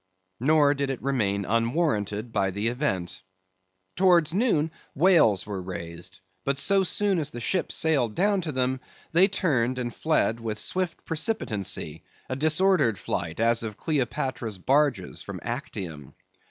Nor did it remain unwarranted by the event. Towards noon whales were raised; but so soon as the ship sailed down to them, they turned and fled with swift precipitancy; a disordered flight, as of Cleopatra's barges from Actium.